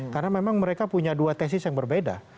karena memang mereka punya dua tesis yang berbeda